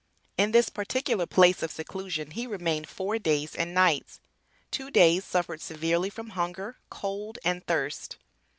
In this particular place of seclusion he remained "four days and nights," "two days suffered severely from hunger, cold and thirst."